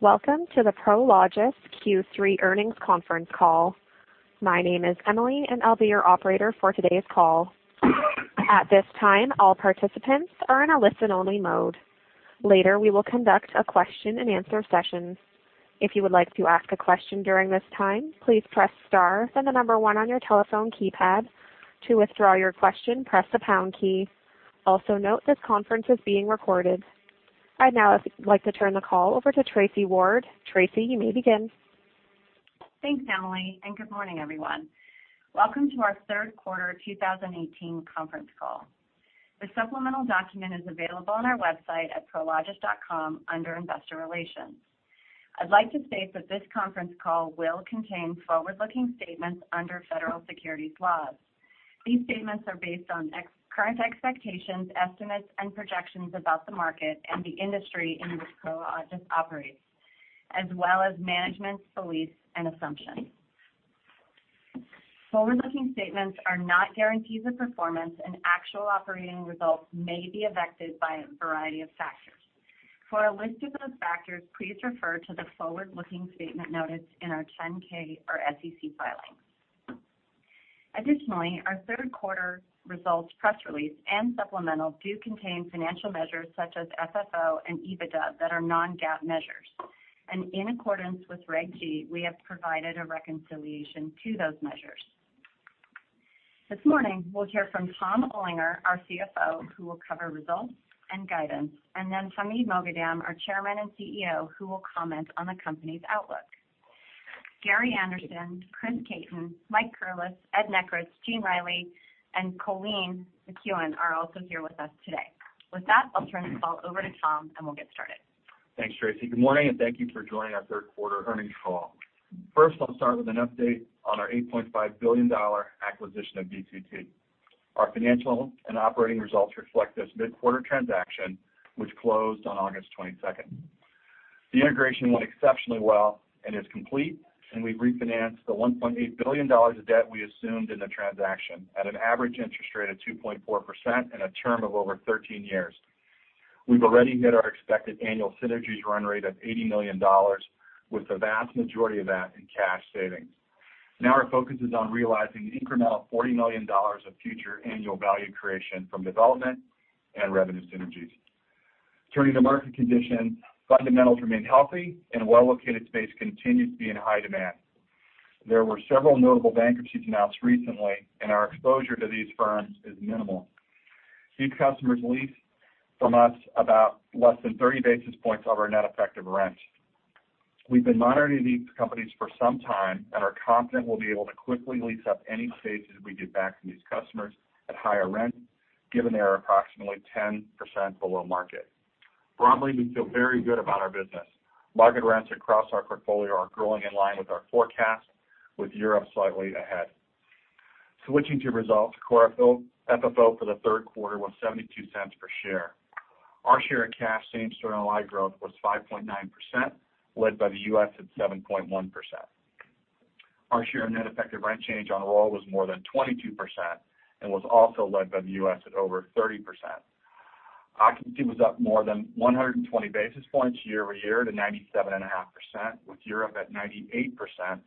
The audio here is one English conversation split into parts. Welcome to the Prologis Q3 earnings conference call. My name is Emily, and I'll be your operator for today's call. At this time, all participants are in a listen-only mode. Later, we will conduct a question and answer session. If you would like to ask a question during this time, please press star, then the number one on your telephone keypad. To withdraw your question, press the pound key. Also note this conference is being recorded. I'd now like to turn the call over to Tracy Ward. Tracy, you may begin. Thanks, Emily, and good morning, everyone. Welcome to our third quarter 2018 conference call. The supplemental document is available on our website at prologis.com under Investor Relations. I'd like to state that this conference call will contain forward-looking statements under federal securities laws. These statements are based on current expectations, estimates, and projections about the market and the industry in which Prologis operates, as well as management's beliefs and assumptions. Forward-looking statements are not guarantees of performance, and actual operating results may be affected by a variety of factors. For a list of those factors, please refer to the forward-looking statement notice in our 10-K or SEC filings. Additionally, our third quarter results press release and supplemental do contain financial measures such as FFO and EBITDA that are non-GAAP measures. In accordance with Reg G, we have provided a reconciliation to those measures. This morning we'll hear from Tom Olinger, our CFO, who will cover results and guidance, and then Hamid Moghadam, our Chairman and CEO, who will comment on the company's outlook. Gary Anderson, Chris Caton, Mike Curless, Ed Nekritz, Gene Reilly, and Colleen McEwen are also here with us today. With that, I'll turn the call over to Tom, and we'll get started. Thanks, Tracy. Good morning, and thank you for joining our third quarter earnings call. First, I'll start with an update on our $8.5 billion acquisition of DCT. Our financial and operating results reflect this mid-quarter transaction, which closed on August 22nd. The integration went exceptionally well and is complete, and we've refinanced the $1.8 billion of debt we assumed in the transaction at an average interest rate of 2.4% and a term of over 13 years. We've already hit our expected annual synergies run rate of $80 million, with the vast majority of that in cash savings. Now our focus is on realizing the incremental $40 million of future annual value creation from development and revenue synergies. Turning to market conditions, fundamentals remain healthy, and well-located space continues to be in high demand. There were several notable bankruptcies announced recently, and our exposure to these firms is minimal. These customers lease from us about less than 30 basis points of our net effective rent. We've been monitoring these companies for some time and are confident we'll be able to quickly lease up any space as we get back from these customers at higher rent, given they are approximately 10% below market. Broadly, we feel very good about our business. Market rents across our portfolio are growing in line with our forecast, with Europe slightly ahead. Switching to results, core FFO for the third quarter was $0.72 per share. Our share of cash same store NOI growth was 5.9%, led by the U.S. at 7.1%. Our share of net effective rent change on a roll was more than 22% and was also led by the U.S. at over 30%. Occupancy was up more than 120 basis points year-over-year to 97.5%, with Europe at 98%,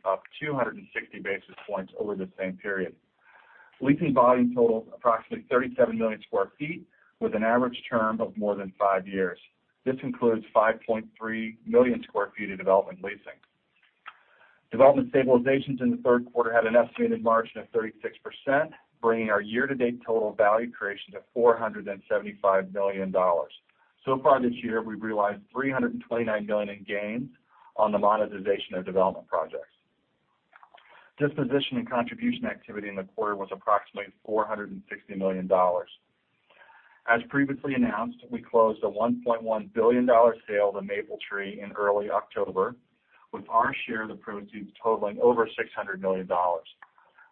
up 260 basis points over the same period. Leasing volume totals approximately 37 million square feet, with an average term of more than five years. This includes 5.3 million square feet of development leasing. Development stabilizations in the third quarter had an estimated margin of 36%, bringing our year-to-date total value creation to $475 million. So far this year, we've realized $329 million in gains on the monetization of development projects. Disposition and contribution activity in the quarter was approximately $460 million. As previously announced, we closed a $1.1 billion sale to Mapletree in early October, with our share of the proceeds totaling over $600 million.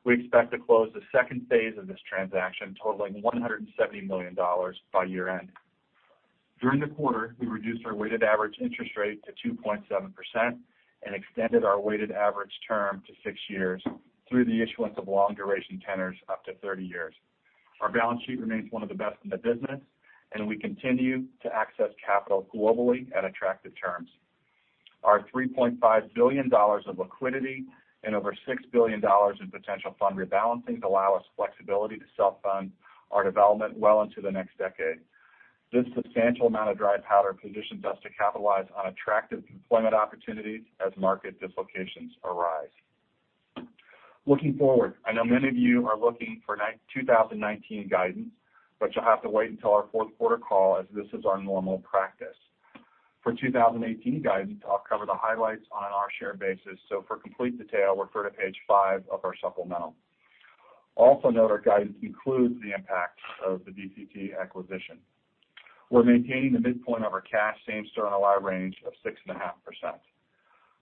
We expect to close the second phase of this transaction totaling $170 million by year-end. During the quarter, we reduced our weighted average interest rate to 2.7% and extended our weighted average term to six years through the issuance of long-duration tenors up to 30 years. Our balance sheet remains one of the best in the business, and we continue to access capital globally at attractive terms. Our $3.5 billion of liquidity and over $6 billion in potential fund rebalancing allow us flexibility to self-fund our development well into the next decade. This substantial amount of dry powder positions us to capitalize on attractive deployment opportunities as market dislocations arise. Looking forward, I know many of you are looking for 2019 guidance, but you'll have to wait until our fourth quarter call, as this is our normal practice. For 2018 guidance, I'll cover the highlights on an our share basis. For complete detail, refer to page five of our supplemental. Also note our guidance includes the impact of the DCT acquisition. We're maintaining the midpoint of our cash same store NOI range of 6.5%.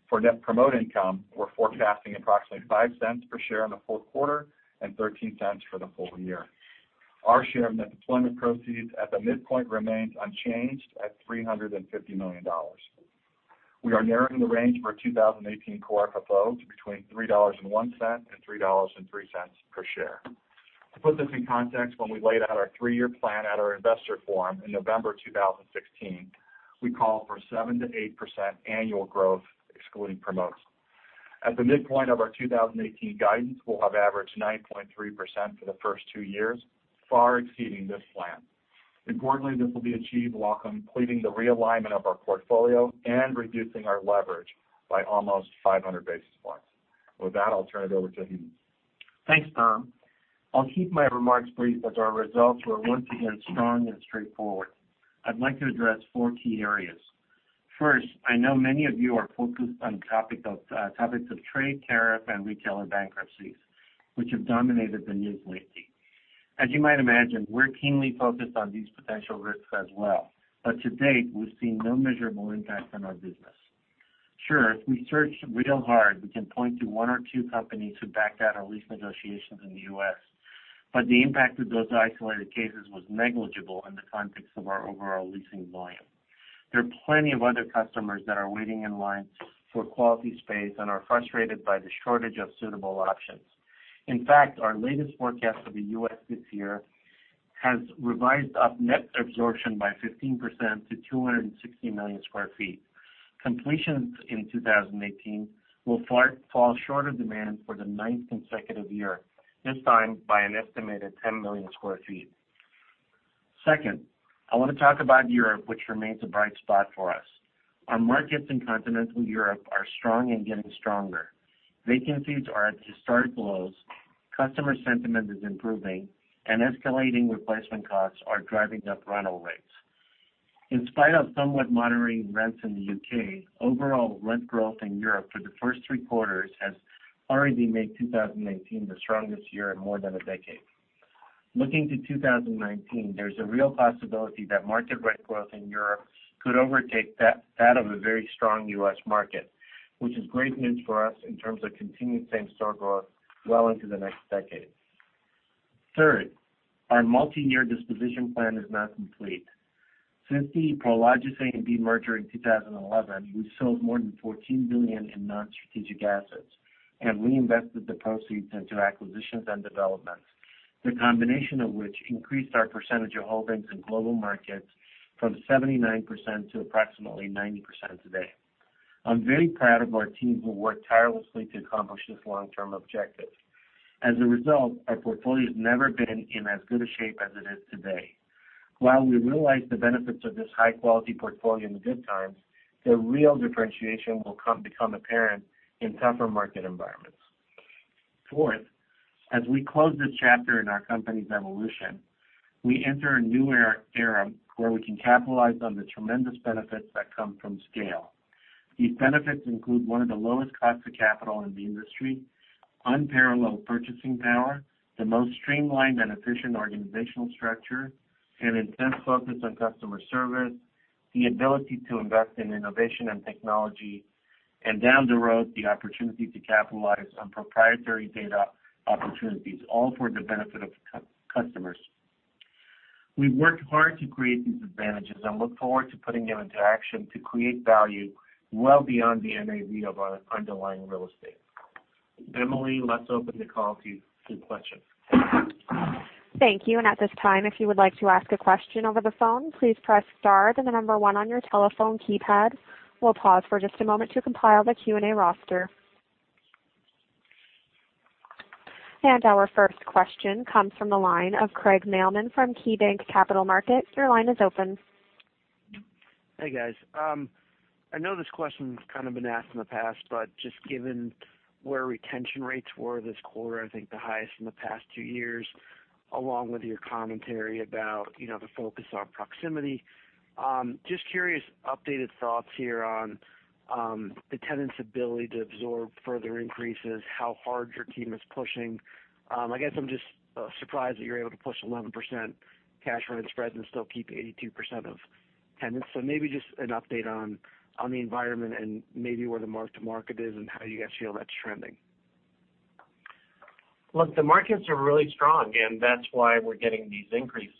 For net promote income, we're forecasting approximately $0.05 per share in the fourth quarter and $0.13 for the full year. Our share of net deployment proceeds at the midpoint remains unchanged at $350 million. We are narrowing the range for 2018 core FFO to between $3.01 and $3.03 per share. To put this in context, when we laid out our three-year plan at our investor forum in November 2016, we called for 7%-8% annual growth excluding promotes. At the midpoint of our 2018 guidance, we'll have averaged 9.3% for the first two years, far exceeding this plan. Importantly, this will be achieved while completing the realignment of our portfolio and reducing our leverage by almost 500 basis points. With that, I'll turn it over to Hamid. Thanks, Tom. I'll keep my remarks brief, as our results were once again strong and straightforward. I'd like to address four key areas. First, I know many of you are focused on topics of trade, tariff, and retailer bankruptcies, which have dominated the news lately. As you might imagine, we're keenly focused on these potential risks as well. To date, we've seen no measurable impact on our business. Sure, if we searched real hard, we can point to one or two companies who backed out our lease negotiations in the U.S., but the impact of those isolated cases was negligible in the context of our overall leasing volume. There are plenty of other customers that are waiting in line for quality space and are frustrated by the shortage of suitable options. In fact, our latest forecast for the U.S. this year has revised up net absorption by 15% to 260 million square feet. Completions in 2018 will fall short of demand for the ninth consecutive year, this time by an estimated 10 million square feet. Second, I want to talk about Europe, which remains a bright spot for us. Our markets in continental Europe are strong and getting stronger. Vacancies are at historic lows, customer sentiment is improving, and escalating replacement costs are driving up rental rates. In spite of somewhat moderating rents in the U.K., overall rent growth in Europe for the first three quarters has already made 2018 the strongest year in more than a decade. Looking to 2019, there's a real possibility that market rent growth in Europe could overtake that of a very strong U.S. market, which is great news for us in terms of continued same-store growth well into the next decade. Third, our multi-year disposition plan is now complete. Since the ProLogis and AMB merger in 2011, we've sold more than $14 billion in non-strategic assets and reinvested the proceeds into acquisitions and developments, the combination of which increased our percentage of holdings in global markets from 79% to approximately 90% today. I'm very proud of our teams who worked tirelessly to accomplish this long-term objective. As a result, our portfolio's never been in as good a shape as it is today. While we realize the benefits of this high-quality portfolio in the good times, the real differentiation will become apparent in tougher market environments. Fourth, as we close this chapter in our company's evolution, we enter a new era where we can capitalize on the tremendous benefits that come from scale. These benefits include one of the lowest cost of capital in the industry, unparalleled purchasing power, the most streamlined and efficient organizational structure, an intense focus on customer service, the ability to invest in innovation and technology, and down the road, the opportunity to capitalize on proprietary data opportunities, all for the benefit of customers. We've worked hard to create these advantages and look forward to putting them into action to create value well beyond the NAV of our underlying real estate. Emily, let's open the call to questions. Thank you. At this time, if you would like to ask a question over the phone, please press star, then the number 1 on your telephone keypad. We'll pause for just a moment to compile the Q&A roster. Our first question comes from the line of Craig Mailman from KeyBanc Capital Markets. Your line is open. Hey, guys. I know this question's kind of been asked in the past, but just given where retention rates were this quarter, I think the highest in the past two years, along with your commentary about the focus on proximity. Just curious, updated thoughts here on the tenants' ability to absorb further increases, how hard your team is pushing. I guess I'm just surprised that you're able to push 11% cash on spreads and still keep 82% of tenants. Maybe just an update on the environment and maybe where the mark to market is and how you guys feel that's trending. Look, the markets are really strong, and that's why we're getting these increases.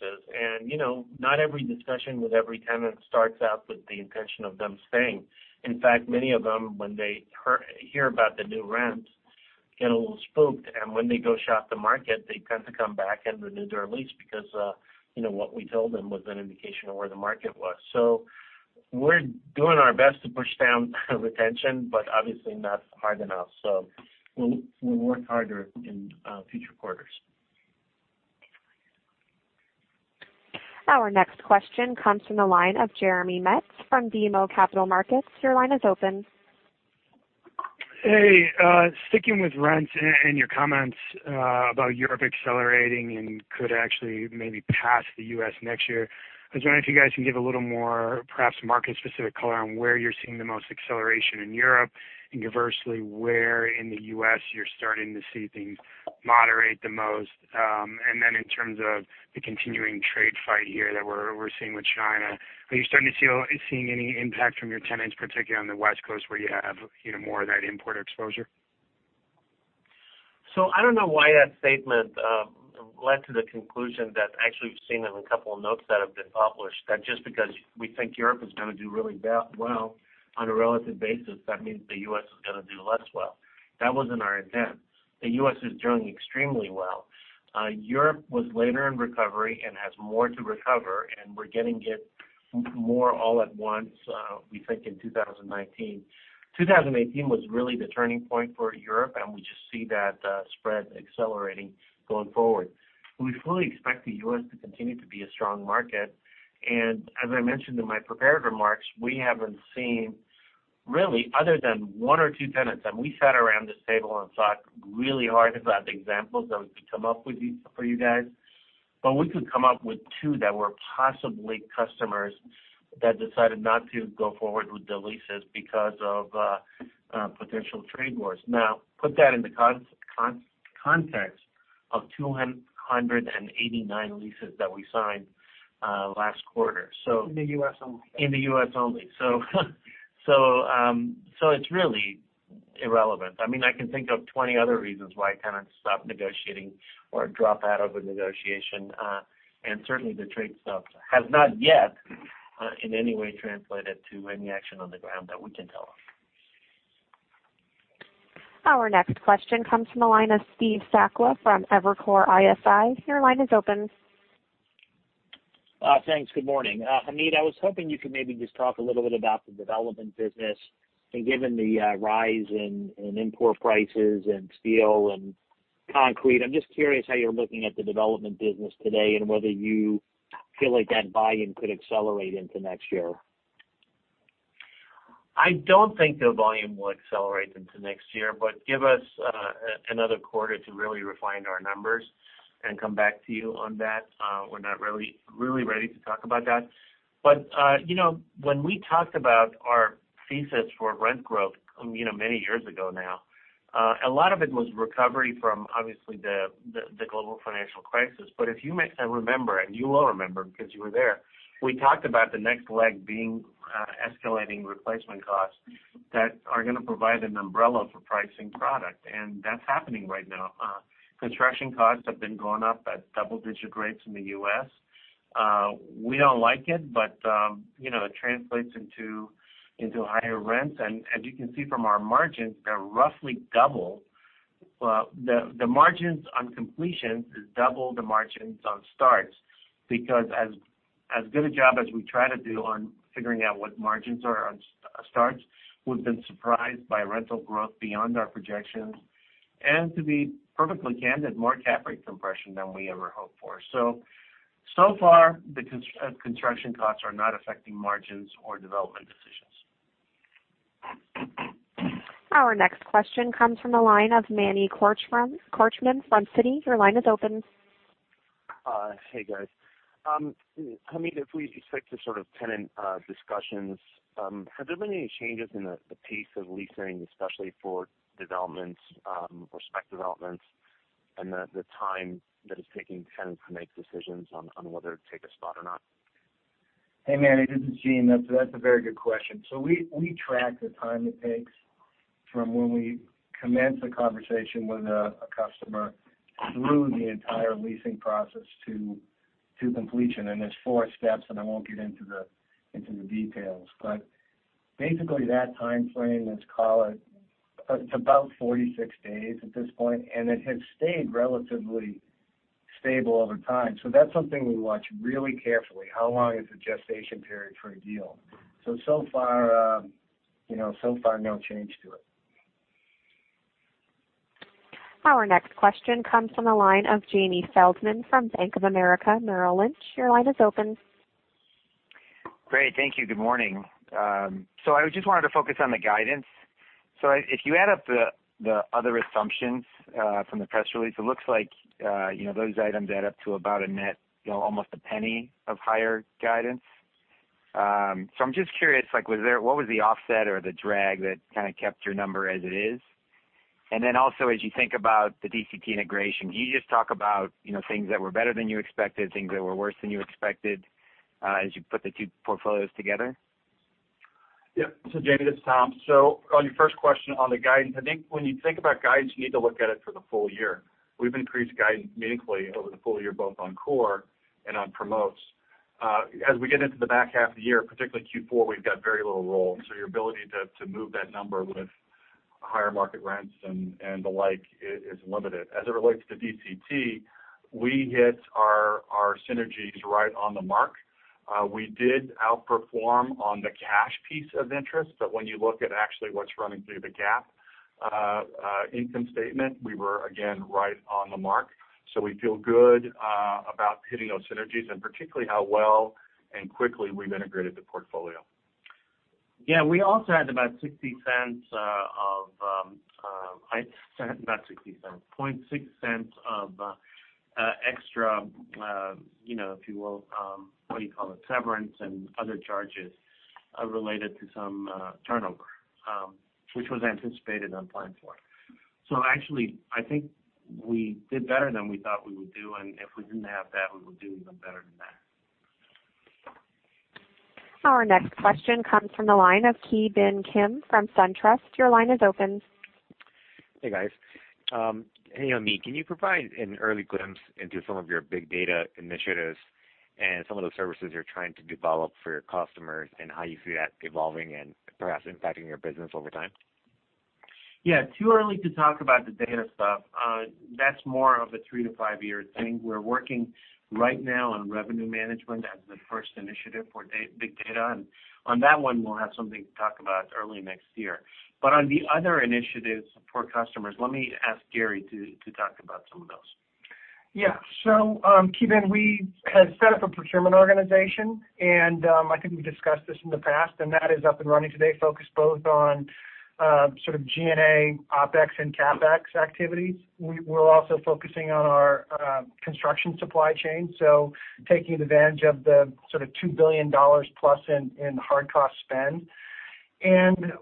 Not every discussion with every tenant starts out with the intention of them staying. In fact, many of them, when they hear about the new rents, get a little spooked, and when they go shop the market, they tend to come back and renew their lease because what we told them was an indication of where the market was. We're doing our best to push down retention, but obviously not hard enough. We'll work harder in future quarters. Our next question comes from the line of Jeremy Metz from BMO Capital Markets. Your line is open. Hey, sticking with rents and your comments about Europe accelerating and could actually maybe pass the U.S. next year. I was wondering if you guys can give a little more perhaps market-specific color on where you're seeing the most acceleration in Europe, and conversely, where in the U.S. you're starting to see things moderate the most. In terms of the continuing trade fight here that we're seeing with China, are you starting to see any impact from your tenants, particularly on the West Coast where you have more of that import exposure? I don't know why that statement led to the conclusion that actually we've seen in a couple of notes that have been published, that just because we think Europe is going to do really well on a relative basis, that means the U.S. is going to do less well. That was in our event. The U.S. is doing extremely well. Europe was later in recovery and has more to recover, and we're getting it more all at once, we think in 2019. 2018 was really the turning point for Europe, and we just see that spread accelerating going forward. We fully expect the U.S. to continue to be a strong market. As I mentioned in my prepared remarks, we haven't seen really other than one or two tenants, and we sat around this table and thought really hard about the examples that we could come up with for you guys. We could come up with two that were possibly customers that decided not to go forward with the leases because of potential trade wars. Put that in the context of 289 leases that we signed last quarter. In the U.S. only. In the U.S. only. It's really irrelevant. I can think of 20 other reasons why a tenant stop negotiating or drop out of a negotiation. Certainly, the trade stuff has not yet in any way translated to any action on the ground that we can tell of. Our next question comes from the line of Steve Sakwa from Evercore ISI. Your line is open. Thanks. Good morning. Hamid, I was hoping you could maybe just talk a little bit about the development business and given the rise in import prices in steel and concrete, I'm just curious how you're looking at the development business today and whether you feel like that volume could accelerate into next year. I don't think the volume will accelerate into next year, but give us another quarter to really refine our numbers and come back to you on that. We're not really ready to talk about that. When we talked about our thesis for rent growth, many years ago now, a lot of it was recovery from obviously the global financial crisis. If you may remember, and you will remember because you were there, we talked about the next leg being escalating replacement costs that are going to provide an umbrella for pricing product. That's happening right now. Construction costs have been going up at double-digit rates in the U.S. We don't like it, but it translates into higher rents, and as you can see from our margins, they're roughly double. The margins on completions is double the margins on starts because as good a job as we try to do on figuring out what margins are on starts, we've been surprised by rental growth beyond our projections, and to be perfectly candid, more cap rate compression than we ever hoped for. So far the construction costs are not affecting margins or development decisions. Our next question comes from the line of Manny Korchman from Citi. Your line is open. Hey, guys. Hamid, if we stick to sort of tenant discussions, have there been any changes in the pace of leasing, especially for developments, prospective developments, and the time that it's taking tenants to make decisions on whether to take a spot or not? Hey, Manny, this is Gene. That is a very good question. We track the time it takes from when we commence a conversation with a customer through the entire leasing process to completion. There are four steps, and I won't get into the details. Basically, that timeframe, let's call it's about 46 days at this point, and it has stayed relatively stable over time. That's something we watch really carefully. How long is the gestation period for a deal? Far, no change to it. Our next question comes from the line of Jamie Feldman from Bank of America Merrill Lynch. Your line is open. Great. Thank you. Good morning. I just wanted to focus on the guidance. If you add up the other assumptions from the press release, it looks like those items add up to about a net almost $0.01 of higher guidance. I'm just curious, what was the offset or the drag that kind of kept your number as it is? Also, as you think about the DCT integration, can you just talk about things that were better than you expected, things that were worse than you expected as you put the two portfolios together? Jamie, this is Tom. On your first question on the guidance, I think when you think about guidance, you need to look at it for the full year. We've increased guidance meaningfully over the full year, both on core and on promotes. As we get into the back half of the year, particularly Q4, we've got very little roll. Your ability to move that number with higher market rents and the like is limited. As it relates to DCT, we hit our synergies right on the mark. We did outperform on the cash piece of interest, but when you look at actually what's running through the GAAP income statement, we were again right on the mark. We feel good about hitting those synergies and particularly how well and quickly we've integrated the portfolio. Yeah, we also had about $0.006 of extra, if you will, what do you call it, severance and other charges related to some turnover, which was anticipated and planned for. Actually, I think we did better than we thought we would do, if we didn't have that, we would do even better than that. Our next question comes from the line of Ki Bin Kim from SunTrust. Your line is open. Hey, guys. Hey, Hamid, can you provide an early glimpse into some of your big data initiatives and some of those services you're trying to develop for your customers and how you see that evolving and perhaps impacting your business over time. Yeah. Too early to talk about the data stuff. That's more of a three- to five-year thing. We're working right now on revenue management as the first initiative for big data, on that one, we'll have something to talk about early next year. On the other initiatives for customers, let me ask Gary to talk about some of those. Yeah. Ki Bin, we had set up a procurement organization, and I think we discussed this in the past, and that is up and running today, focused both on sort of G&A, OpEx and CapEx activities. We're also focusing on our construction supply chain, taking advantage of the sort of $2 billion plus in hard cost spend.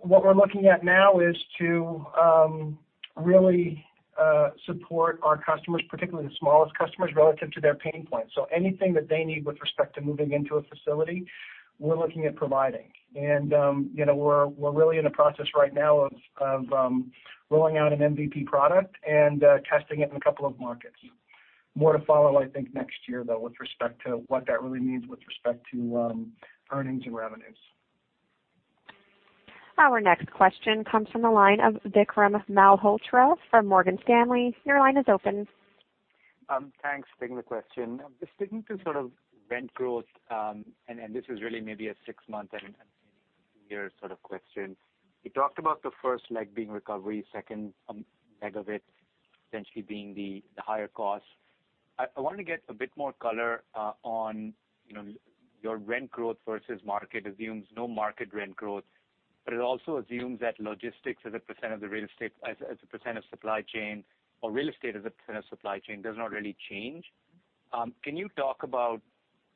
What we're looking at now is to really support our customers, particularly the smallest customers, relative to their pain points. Anything that they need with respect to moving into a facility, we're looking at providing. We're really in the process right now of rolling out an MVP product and testing it in a couple of markets. More to follow, I think, next year, though, with respect to what that really means with respect to earnings and revenues. Our next question comes from the line of Vikram Malhotra from Morgan Stanley. Your line is open. Thanks. Great question. Just sticking to sort of rent growth, and this is really maybe a six-month and year sort of question. You talked about the first leg being recovery, second leg of it essentially being the higher cost. I wanted to get a bit more color on your rent growth versus market assumes no market rent growth, but it also assumes that logistics as a percent of supply chain or real estate as a percent of supply chain does not really change. Can you talk about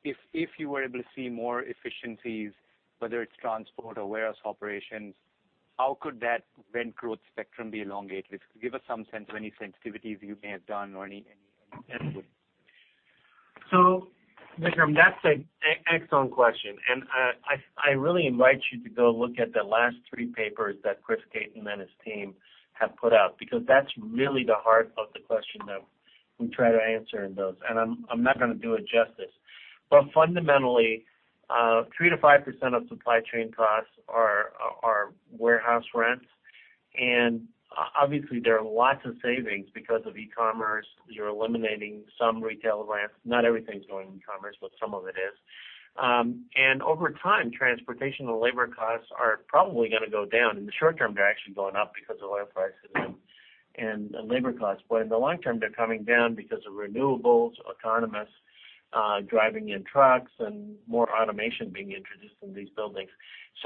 if you were able to see more efficiencies, whether it's transport or warehouse operations, how could that rent growth spectrum be elongated? Give us some sense of any sensitivities you may have done or any input. Vikram, that's an excellent question, and I really invite you to go look at the last three papers that Chris Caton and his team have put out, because that's really the heart of the question that we try to answer in those, and I'm not going to do it justice. Fundamentally, 3%-5% of supply chain costs are warehouse rents. Obviously, there are lots of savings because of e-commerce. You're eliminating some retail rents. Not everything's going e-commerce, but some of it is. Over time, transportation and labor costs are probably going to go down. In the short term, they're actually going up because of oil prices and labor costs. In the long term, they're coming down because of renewables, autonomous driving in trucks, and more automation being introduced in these buildings.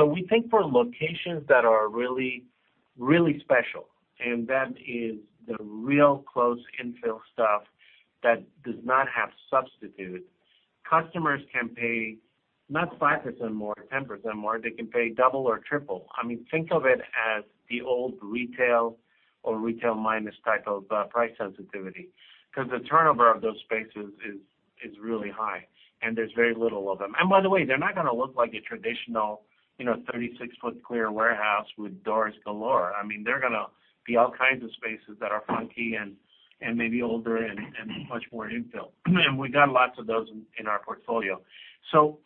We think for locations that are really, really special, that is the real close infill stuff that does not have substitutes. Customers can pay not 5% more or 10% more. They can pay double or triple. I mean, think of it as the old retail or retail minus type of price sensitivity, because the turnover of those spaces is really high, there's very little of them. By the way, they're not going to look like a traditional 36-foot clear warehouse with doors galore. There are going to be all kinds of spaces that are funky and maybe older and much more infill. We got lots of those in our portfolio.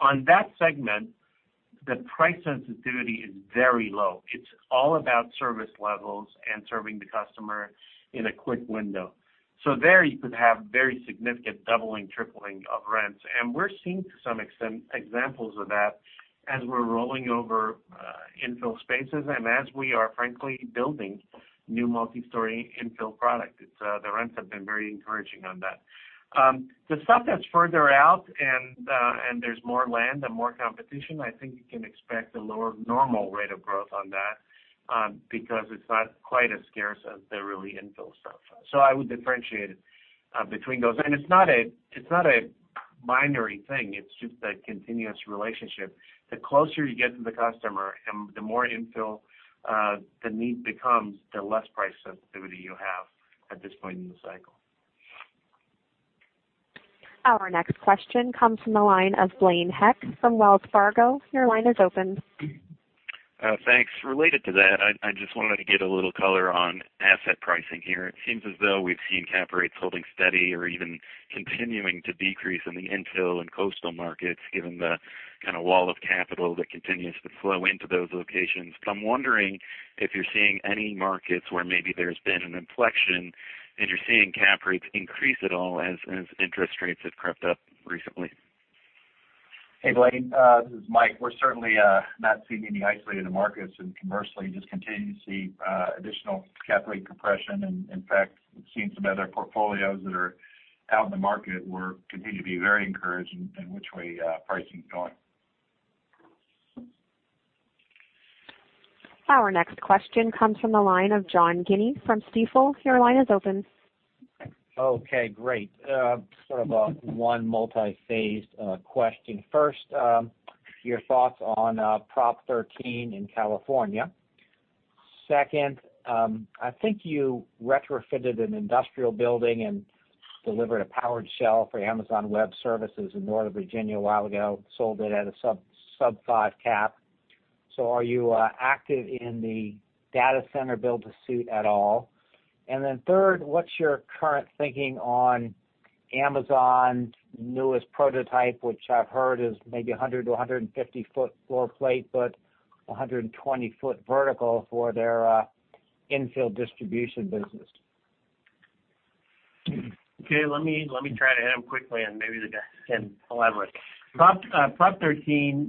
On that segment, the price sensitivity is very low. It's all about service levels and serving the customer in a quick window. There you could have very significant doubling, tripling of rents. We're seeing some examples of that as we're rolling over infill spaces as we are frankly building new multi-story infill product. The rents have been very encouraging on that. The stuff that's further out and there's more land and more competition, I think you can expect a lower normal rate of growth on that because it's not quite as scarce as the really infill stuff. I would differentiate between those. It's not a binary thing. It's just a continuous relationship. The closer you get to the customer and the more infill the need becomes, the less price sensitivity you have at this point in the cycle. Our next question comes from the line of Blaine Heck from Wells Fargo. Your line is open. Thanks. Related to that, I just wanted to get a little color on asset pricing here. It seems as though we've seen cap rates holding steady or even continuing to decrease in the infill and coastal markets, given the kind of wall of capital that continues to flow into those locations. I'm wondering if you're seeing any markets where maybe there's been an inflection and you're seeing cap rates increase at all as interest rates have crept up recently. Hey, Blaine, this is Mike. We're certainly not seeing any isolated markets. Commercially just continue to see additional cap rate compression. In fact, we've seen some other portfolios that are out in the market. We continue to be very encouraged in which way pricing's going. Our next question comes from the line of John Guinee from Stifel. Your line is open. Okay, great. Sort of a one multi-phased question. First, your thoughts on Proposition 13 in California. Second, I think you retrofitted an industrial building and delivered a powered shell for Amazon Web Services in Northern Virginia a while ago. Sold it at a sub five cap. Are you active in the data center build to suit at all? Then third, what's your current thinking on Amazon's newest prototype, which I've heard is maybe 100 to 150 foot floor plate, but 120 foot vertical for their infill distribution business? Okay. Let me try to hit them quickly, and maybe the guys can elaborate. Proposition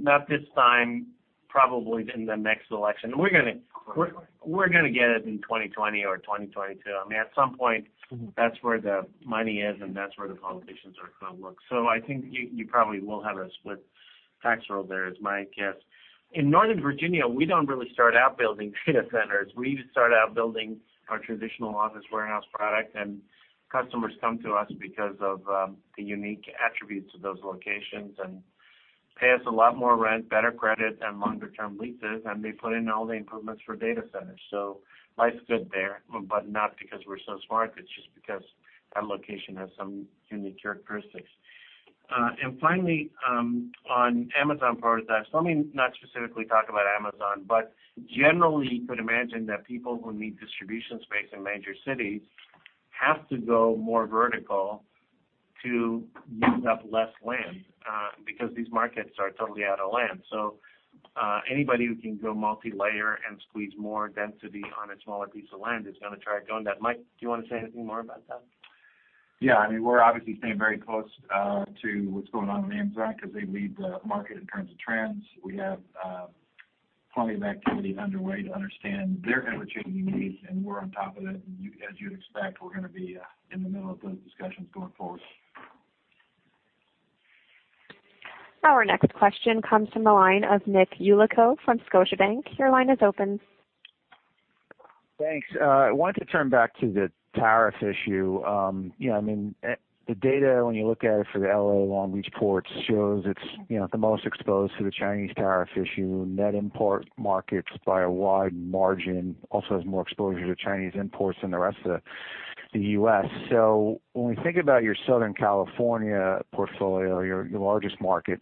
13, not this time, probably in the next election. We're going to get it in 2020 or 2022. At some point, that's where the money is, and that's where the politicians are going to look. I think you probably will have a split tax roll there, is my guess. In Northern Virginia, we don't really start out building data centers. We start out building our traditional office warehouse product, and customers come to us because of the unique attributes of those locations, and pay us a lot more rent, better credit and longer-term leases, and they put in all the improvements for data centers. Life's good there, but not because we're so smart. It's just because that location has some unique characteristics. Finally, on Amazon prototypes, let me not specifically talk about Amazon, but generally, you could imagine that people who need distribution space in major cities have to go more vertical to use up less land, because these markets are totally out of land. Anybody who can go multi-layer and squeeze more density on a smaller piece of land is going to try doing that. Mike, do you want to say anything more about that? Yeah. We're obviously staying very close to what's going on with Amazon because they lead the market in terms of trends. We have plenty of activity underway to understand their ever-changing needs, and we're on top of it. As you'd expect, we're going to be in the middle of those discussions going forward. Our next question comes from the line of Nicholas Yulico from Scotiabank. Your line is open. Thanks. I wanted to turn back to the tariff issue. The data, when you look at it for the L.A. Long Beach ports, shows it's the most exposed to the Chinese tariff issue. Net import markets by a wide margin also has more exposure to Chinese imports than the rest of the U.S. When we think about your Southern California portfolio, your largest market,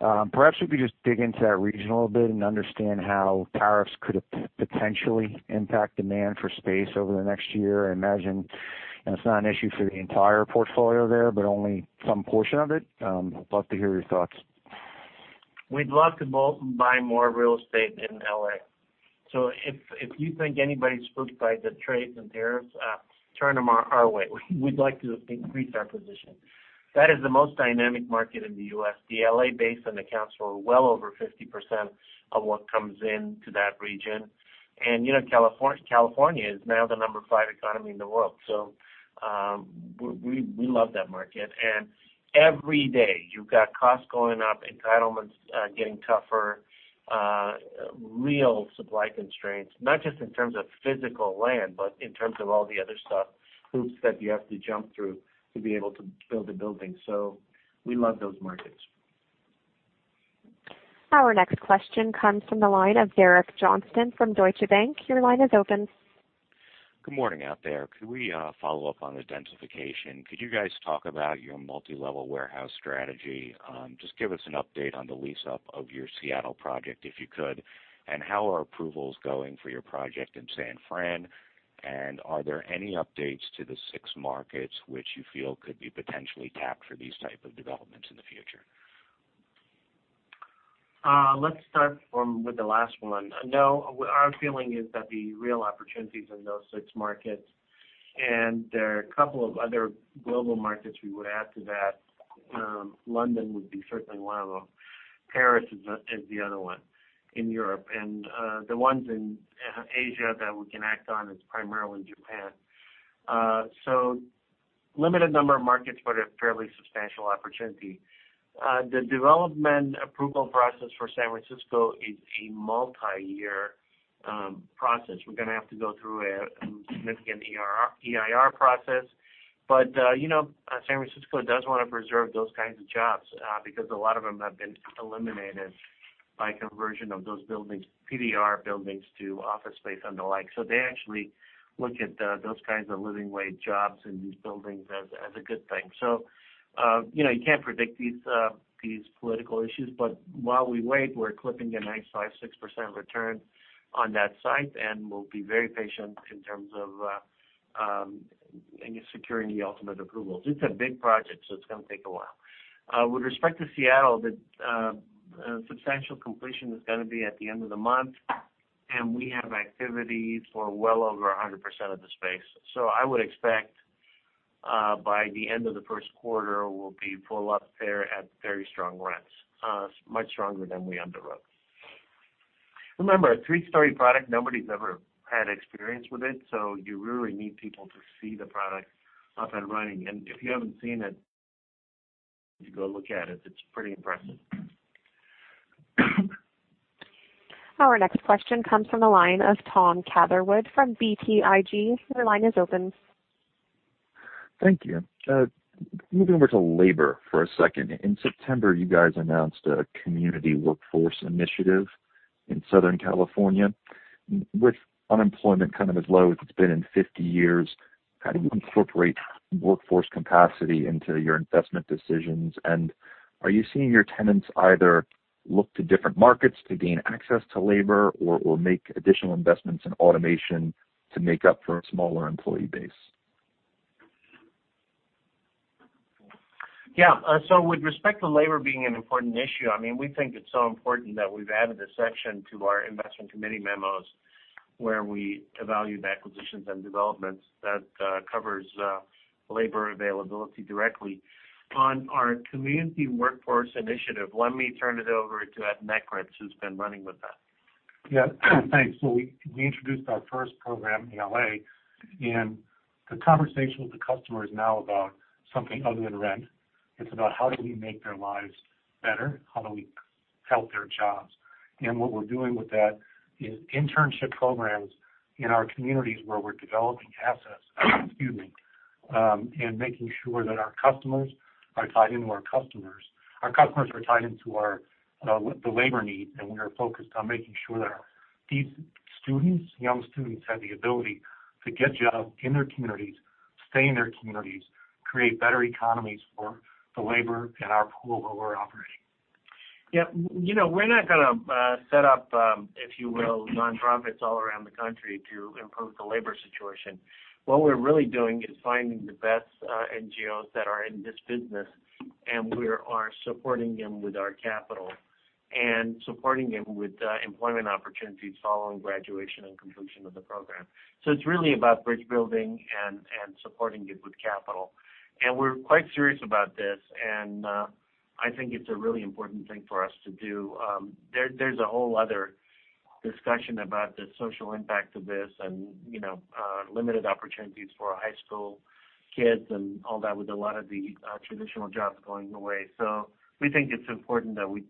perhaps if you could just dig into that region a little bit and understand how tariffs could potentially impact demand for space over the next year. I imagine it's not an issue for the entire portfolio there, but only some portion of it. I'd love to hear your thoughts. We'd love to buy more real estate in L.A. If you think anybody's spooked by the trades and tariffs, turn them our way. We'd like to increase our position. That is the most dynamic market in the U.S. The L.A. Basin accounts for well over 50% of what comes into that region. California is now the number five economy in the world. We love that market. Every day, you've got costs going up, entitlements getting tougher, real supply constraints, not just in terms of physical land, but in terms of all the other stuff, hoops that you have to jump through to be able to build a building. We love those markets. Our next question comes from the line of Derek Johnston from Deutsche Bank. Your line is open. Good morning out there. Could we follow up on the densification? Could you guys talk about your multilevel warehouse strategy? Just give us an update on the lease-up of your Seattle project, if you could, and how are approvals going for your project in San Fran, and are there any updates to the six markets which you feel could be potentially tapped for these type of developments in the future? No, our feeling is that the real opportunities in those six markets, and there are a couple of other global markets we would add to that. London would be certainly one of them. Paris is the other one in Europe. The ones in Asia that we can act on is primarily Japan. Limited number of markets, but a fairly substantial opportunity. The development approval process for San Francisco is a multi-year process. We're going to have to go through a significant EIR process. San Francisco does want to preserve those kinds of jobs, because a lot of them have been eliminated by conversion of those PDR buildings to office space and the like. They actually look at those kinds of living wage jobs in these buildings as a good thing. You can't predict these political issues, but while we wait, we're clipping a nice little 6% return on that site, and we'll be very patient in terms of securing the ultimate approvals. It's a big project, so it's going to take a while. With respect to Seattle, the substantial completion is going to be at the end of the month, and we have activity for well over 100% of the space. I would expect by the end of the first quarter, we'll be full up there at very strong rents, much stronger than we underwrote. Remember, a three-story product, nobody's ever had experience with it, so you really need people to see the product up and running. If you haven't seen it, you go look at it. It's pretty impressive. Our next question comes from the line of Thomas Catherwood from BTIG. Your line is open. Thank you. Moving over to labor for a second. In September, you guys announced a Community Workforce Initiative in Southern California. With unemployment kind of as low as it's been in 50 years. Are you seeing your tenants either look to different markets to gain access to labor or make additional investments in automation to make up for a smaller employee base? With respect to labor being an important issue, we think it's so important that we've added a section to our investment committee memos where we evaluate acquisitions and developments that covers labor availability directly. On our community workforce initiative, let me turn it over to Ed Nekritz, who's been running with that. Thanks. We introduced our first program in L.A., and the conversation with the customer is now about something other than rent. It's about how do we make their lives better, how do we help their jobs. What we're doing with that is internship programs in our communities where we're developing assets, and making sure that our customers are tied into our customers. Our customers are tied into the labor needs, and we are focused on making sure that these students, young students, have the ability to get jobs in their communities, stay in their communities, create better economies for the labor in our pool where we're operating. We're not going to set up, if you will, nonprofits all around the country to improve the labor situation. What we're really doing is finding the best NGOs that are in this business, and we are supporting them with our capital and supporting them with employment opportunities following graduation and completion of the program. It's really about bridge-building and supporting it with capital. We're quite serious about this, and I think it's a really important thing for us to do. There's a whole other discussion about the social impact of this and limited opportunities for high school kids and all that with a lot of the traditional jobs going away. We think it's important that we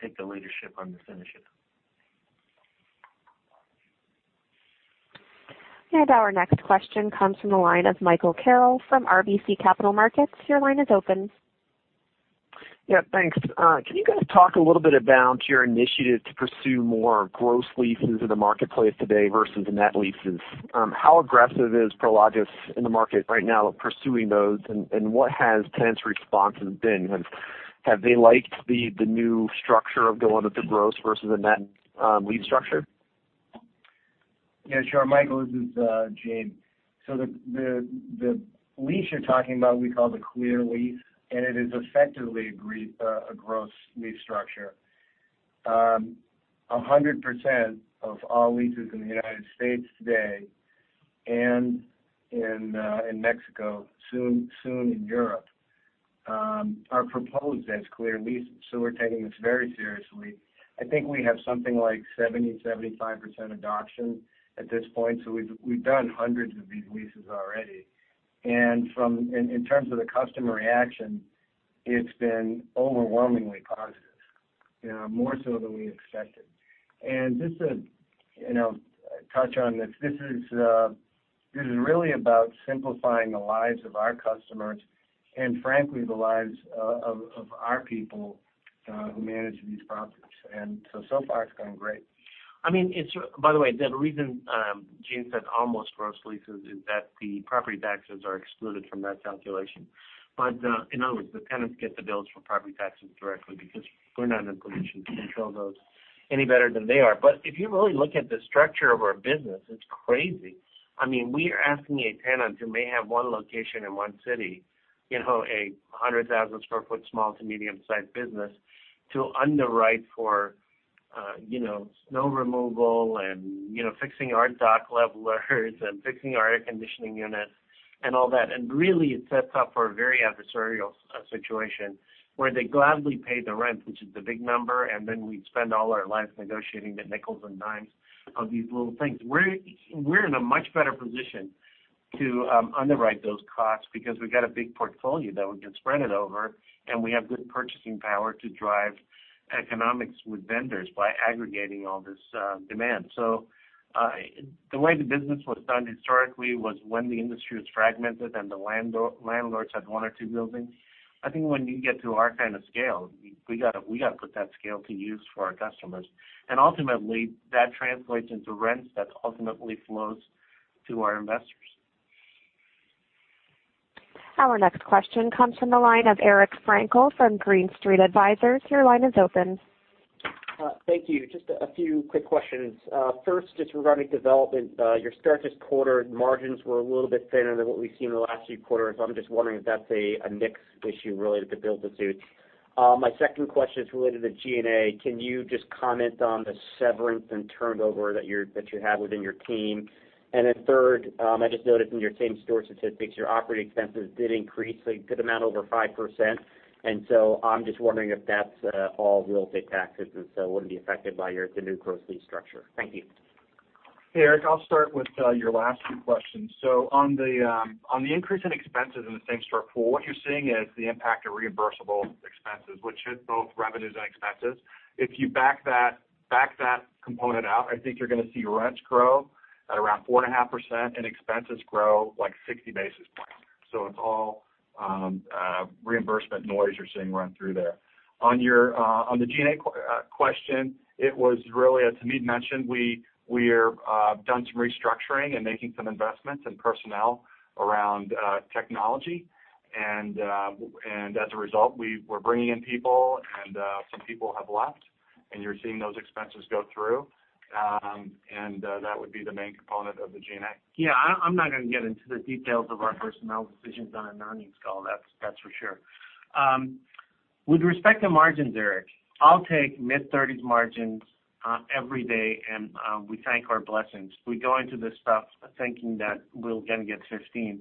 take the leadership on this initiative. Our next question comes from the line of Michael Carroll from RBC Capital Markets. Your line is open. Yeah. Thanks. Can you guys talk a little bit about your initiative to pursue more gross leases in the marketplace today versus the net leases? How aggressive is Prologis in the market right now pursuing those, and what has tenants' responses been? Have they liked the new structure of going with the gross versus the net lease structure? Yeah, sure. Michael, this is Gene. The lease you're talking about, we call the Clear Lease, and it is effectively a gross lease structure. 100% of all leases in the United States today, and in Mexico, soon in Europe, are proposed as Clear Leases. We're taking this very seriously. I think we have something like 70, 75% adoption at this point. We've done hundreds of these Clear Leases already. In terms of the customer reaction, it's been overwhelmingly positive, more so than we expected. Just to touch on this is really about simplifying the lives of our customers and frankly, the lives of our people who manage these properties. So far it's going great. By the way, the reason Gene said almost gross leases is that the property taxes are excluded from that calculation. In other words, the tenants get the bills for property taxes directly because we're not in a position to control those any better than they are. If you really look at the structure of our business, it's crazy. We are asking a tenant who may have one location in one city, a 100,000 sq ft small to medium-sized business, to underwrite for snow removal and fixing our dock levelers and fixing our air conditioning units and all that. Really, it sets up for a very adversarial situation where they gladly pay the rent, which is the big number, and then we spend all our lives negotiating the nickels and dimes of these little things. We're in a much better position to underwrite those costs because we've got a big portfolio that we can spread it over, and we have good purchasing power to drive economics with vendors by aggregating all this demand. The way the business was done historically was when the industry was fragmented and the landlords had one or two buildings. I think when you get to our kind of scale, we got to put that scale to use for our customers. Ultimately, that translates into rents that ultimately flows to our investors. Our next question comes from the line of Eric Frankel from Green Street Advisors. Your line is open. Thank you. Just a few quick questions. First, just regarding development. Your start this quarter margins were a little bit thinner than what we've seen in the last few quarters. I'm just wondering if that's a mix issue related to build-to-suit. My second question is related to G&A. Can you just comment on the severance and turnover that you have within your team? Third, I just noticed in your same-store statistics, your operating expenses did increase a good amount over 5%. I'm just wondering if that's all real estate taxes, so it wouldn't be affected by your new gross lease structure. Thank you. Hey, Eric, I'll start with your last few questions. On the increase in expenses in the same-store pool, what you're seeing is the impact of reimbursable expenses, which hit both revenues and expenses. If you back that component out, I think you're going to see rents grow at around 4.5% and expenses grow like 60 basis It's all reimbursement noise you're seeing run through there. On the G&A question, it was really, as Hamid mentioned, we are done some restructuring and making some investments in personnel around technology, and as a result, we're bringing in people and some people have left, and you're seeing those expenses go through. That would be the main component of the G&A. I'm not going to get into the details of our personnel decisions on an earnings call, that's for sure. With respect to margins, Eric, I'll take mid-30s margins every day, and we thank our blessings. We go into this stuff thinking that we're going to get 15.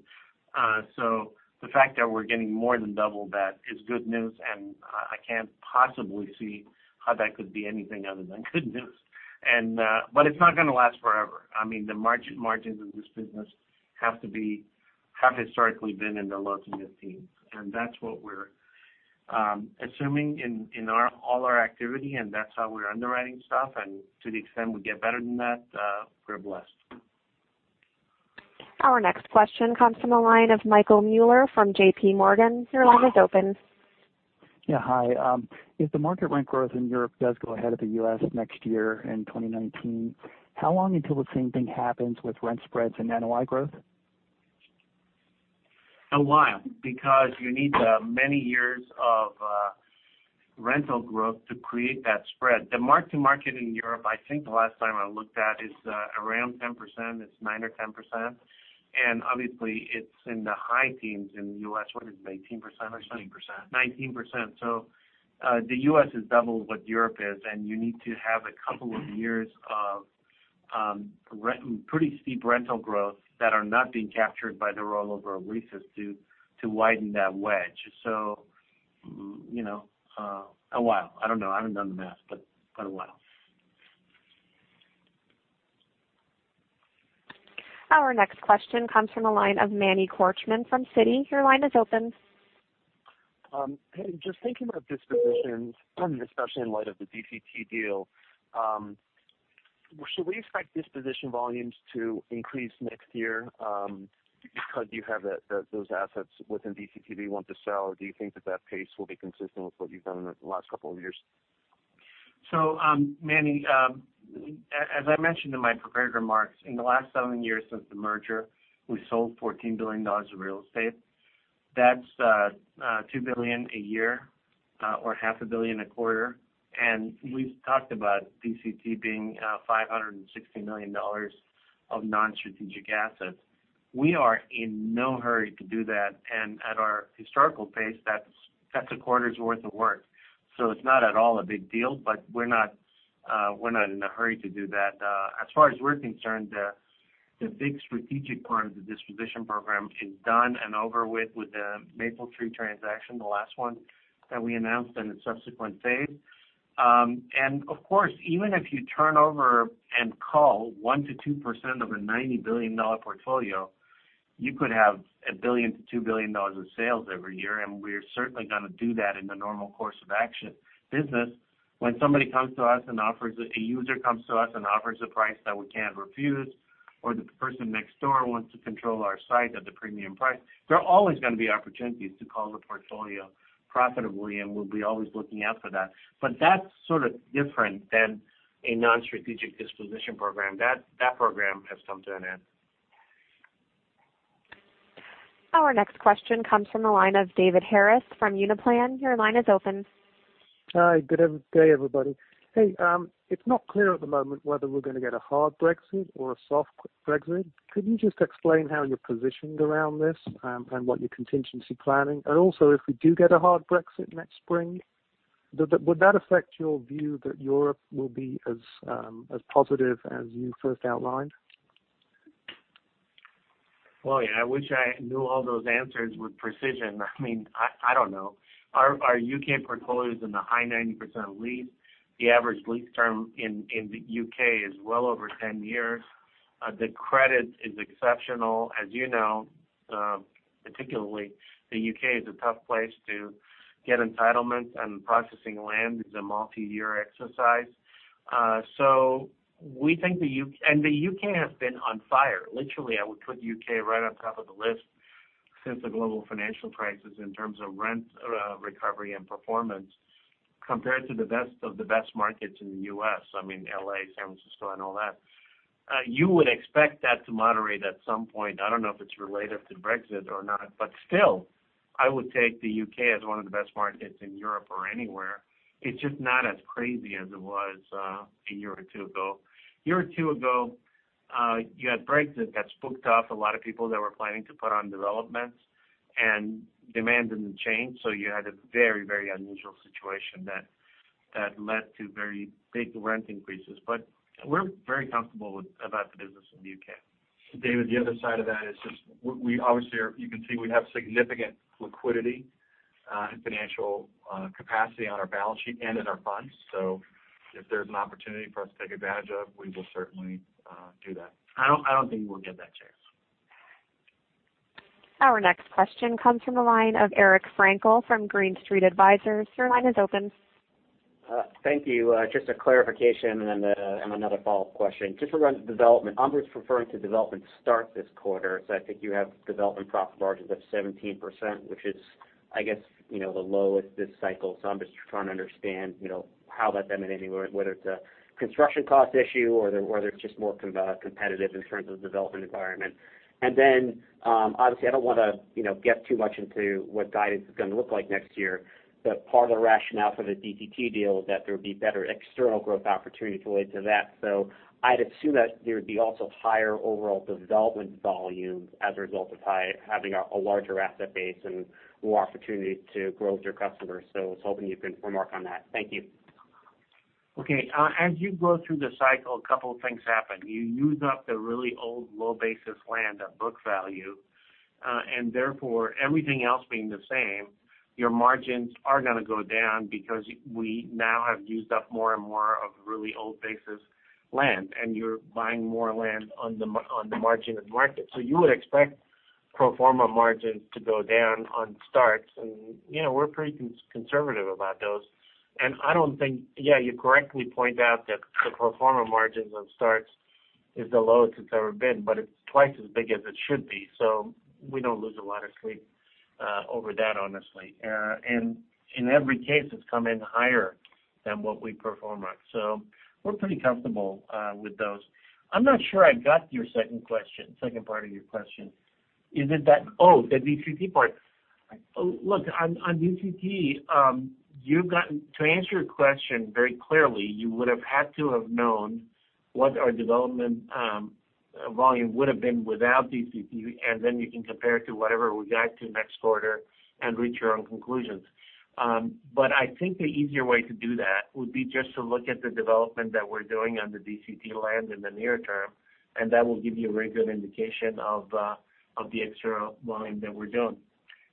The fact that we're getting more than double that is good news, and I can't possibly see how that could be anything other than good news. It's not going to last forever. The margins in this business have historically been in the low to mid-teens, and that's what we're assuming in all our activity, and that's how we're underwriting stuff. To the extent we get better than that, we're blessed. Our next question comes from the line of Michael Mueller from JPMorgan. Your line is open. Hi. If the market rent growth in Europe does go ahead of the U.S. next year in 2019, how long until the same thing happens with rent spreads and NOI growth? A while, because you need many years of rental growth to create that spread. The mark-to-market in Europe, I think the last time I looked at, is around 10%. It's nine or 10%. Obviously, it's in the high teens in the U.S. What is it, 18% or something? 19%. 19%. The U.S. is double what Europe is, you need to have a couple of years of pretty steep rental growth that are not being captured by the rollover of leases to widen that wedge. A while. I don't know. I haven't done the math, a while. Our next question comes from the line of Manny Korchman from Citi. Your line is open. Hey, just thinking about dispositions, especially in light of the DCT deal, should we expect disposition volumes to increase next year because you have those assets within DCT that you want to sell, or do you think that that pace will be consistent with what you've done in the last couple of years? Manny, as I mentioned in my prepared remarks, in the last seven years since the merger, we sold $14 billion of real estate. That's $2 billion a year or half a billion a quarter. We've talked about DCT being $560 million of non-strategic assets. We are in no hurry to do that, at our historical pace, that's a quarter's worth of work. It's not at all a big deal, we're not in a hurry to do that. As far as we're concerned, the big strategic part of the disposition program is done and over with the Mapletree transaction, the last one that we announced, and its subsequent phase. Of course, even if you turn over and cull 1%-2% of a $90 billion portfolio, you could have $1 billion-$2 billion of sales every year, and we're certainly going to do that in the normal course of action. Business, when a user comes to us and offers a price that we can't refuse, or the person next door wants to control our site at the premium price, there are always going to be opportunities to cull the portfolio profitably, and we'll be always looking out for that. That's sort of different than a non-strategic disposition program. That program has come to an end. Our next question comes from the line of David Harris from Uniplan. Your line is open. Hi, good day, everybody. Hey, it's not clear at the moment whether we're going to get a hard Brexit or a soft Brexit. Could you just explain how you're positioned around this and what your contingency planning? Also, if we do get a hard Brexit next spring, would that affect your view that Europe will be as positive as you first outlined? Boy, I wish I knew all those answers with precision. I don't know. Our U.K. portfolio is in the high 90% leased. The average lease term in the U.K. is well over 10 years. The credit is exceptional. As you know, particularly the U.K. is a tough place to get entitlements, and processing land is a multi-year exercise. The U.K. has been on fire. Literally, I would put U.K. right on top of the list since the global financial crisis in terms of rent recovery and performance compared to the best of the best markets in the U.S., L.A., San Francisco, and all that. You would expect that to moderate at some point. I don't know if it's related to Brexit or not, still, I would take the U.K. as one of the best markets in Europe or anywhere. It's just not as crazy as it was a year or two ago. A year or two ago, you had Brexit that spooked off a lot of people that were planning to put on developments, and demand didn't change. You had a very unusual situation that led to very big rent increases. We're very comfortable about the business in the U.K. David, the other side of that is just, obviously, you can see we have significant liquidity and financial capacity on our balance sheet and in our funds. If there's an opportunity for us to take advantage of, we will certainly do that. I don't think we'll get that chance. Our next question comes from the line of Eric Frankel from Green Street Advisors. Your line is open. Thank you. Just a clarification and another follow-up question. Just around development, I'm just referring to development start this quarter. I think you have development profit margins of 17%, which is, I guess, the lowest this cycle. I'm just trying to understand how that's emanating, whether it's a construction cost issue or whether it's just more competitive in terms of development environment. Obviously, I don't want to get too much into what guidance is going to look like next year, but part of the rationale for the DCT deal is that there would be better external growth opportunity to lead to that. I'd assume that there would be also higher overall development volumes as a result of having a larger asset base and more opportunity to grow with your customers. I was hoping you can remark on that. Thank you. Okay. As you go through the cycle, a couple of things happen. You use up the really old low basis land at book value, and therefore, everything else being the same, your margins are going to go down because we now have used up more and more of the really old basis land, and you're buying more land on the margin of the market. You would expect pro forma margins to go down on starts, and we're pretty conservative about those. You correctly point out that the pro forma margins on starts is the lowest it's ever been, but it's twice as big as it should be. We don't lose a lot of sleep over that, honestly. In every case, it's come in higher than what we pro forma. We're pretty comfortable with those. I'm not sure I got your second part of your question. The DCT part. Look, on DCT, to answer your question very clearly, you would have had to have known what our development volume would've been without DCT, and then you can compare it to whatever we got to next quarter and reach your own conclusions. I think the easier way to do that would be just to look at the development that we're doing on the DCT land in the near term, and that will give you a very good indication of the external volume that we're doing.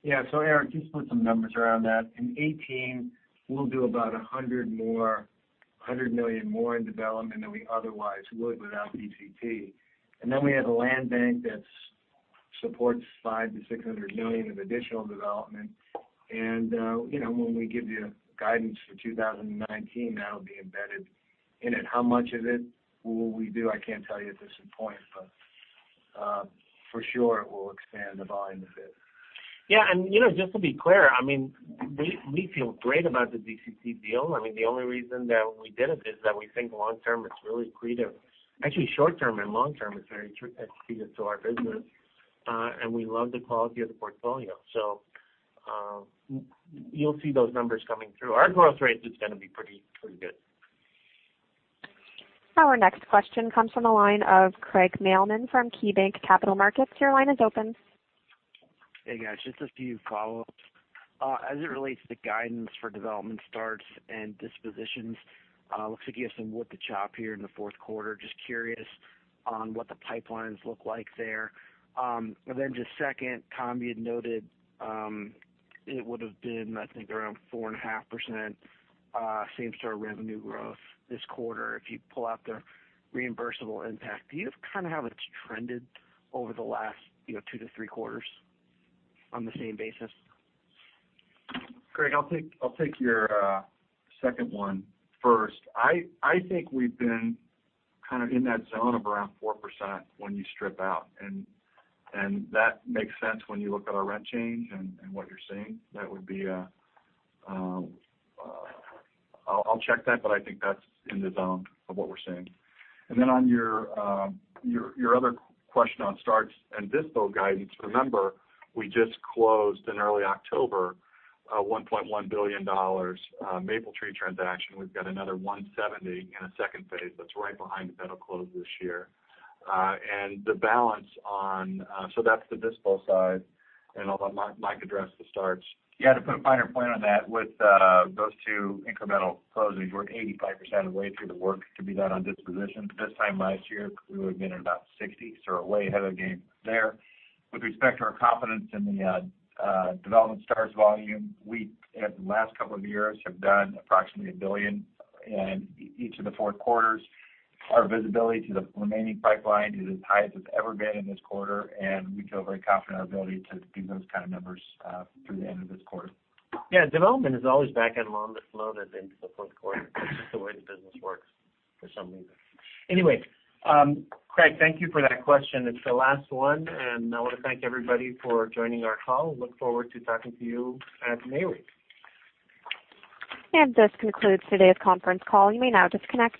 Yeah. Eric, just put some numbers around that. In 2018, we'll do about $100 million more in development than we otherwise would without DCT. Then we have a land bank that supports $500 million-$600 million of additional development. When we give you guidance for 2019, that'll be embedded in it. How much of it will we do? I can't tell you at this point, but for sure it will expand the volume a bit. Yeah. Just to be clear, we feel great about the DCT deal. The only reason that we did it is that we think long term, it's really accretive. Actually, short term and long term it's very accretive to our business. We love the quality of the portfolio. You'll see those numbers coming through. Our growth rate is going to be pretty good. Our next question comes from the line of Craig Mailman from KeyBanc Capital Markets. Your line is open. Hey, guys, just a few follow-ups. As it relates to guidance for development starts and dispositions, looks like you have some wood to chop here in the fourth quarter. Just curious on what the pipelines look like there. Just second, Tom, you'd noted it would've been, I think, around 4.5% same-store revenue growth this quarter if you pull out the reimbursable impact. Do you kind of have it trended over the last two to three quarters on the same basis? Craig, I'll take your second one first. I think we've been kind of in that zone of around 4% when you strip out, and that makes sense when you look at our rent change and what you're seeing. That would be. I'll check that, but I think that's in the zone of what we're seeing. On your other question on starts and dispo guidance, remember, we just closed in early October a $1.1 billion Mapletree transaction. We've got another 170 in a second phase that's right behind that'll close this year. That's the dispo side, and I'll let Mike address the starts. Yeah, to put a finer point on that, with those two incremental closings, we're 85% of the way through the work to be done on dispositions. This time last year, we would've been at about 60, so we're way ahead of the game there. With respect to our confidence in the development starts volume, we, at the last couple of years, have done approximately $1 billion in each of the fourth quarters. Our visibility to the remaining pipeline is as high as it's ever been in this quarter, and we feel very confident in our ability to do those kind of numbers through the end of this quarter. Yeah, development is always back-end loaded and slow into the fourth quarter. It's just the way the business works for some reason. Anyway, Craig, thank you for that question. It's the last one, and I want to thank everybody for joining our call. Look forward to talking to you at Nareit. This concludes today's conference call. You may now disconnect.